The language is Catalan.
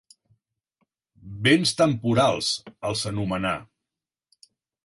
Béns temporals, els anomenà.